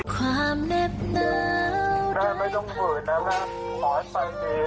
ขอบคุณค่ะ